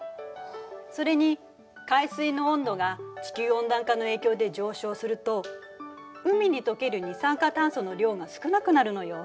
それに海水の温度が地球温暖化の影響で上昇すると海に溶ける二酸化炭素の量が少なくなるのよ。